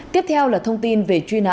tiếp theo là thông tin về truy nã tội phạm